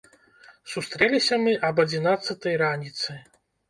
Сустрэліся мы аб адзінаццатай раніцы.